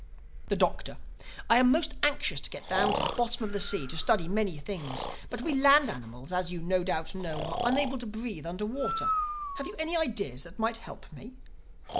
The Doctor: "I am most anxious to get down to the bottom of the sea—to study many things. But we land animals, as you no doubt know, are unable to breathe under water. Have you any ideas that might help me?"